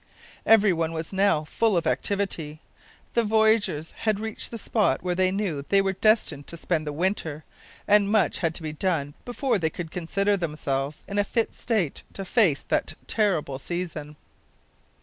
Everyone was now full of activity. The voyagers had reached the spot where they knew they were destined to spend the winter and much had to be done before they could consider themselves in a fit state to face that terrible season.